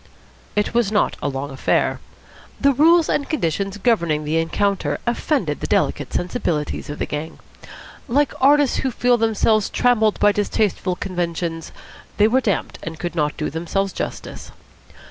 It was not a long affair. The rules and conditions governing the encounter offended the delicate sensibilities of the gang. Like artists who feel themselves trammelled by distasteful conventions, they were damped and could not do themselves justice.